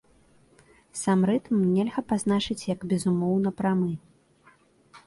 Сам рытм нельга пазначыць як безумоўна прамы.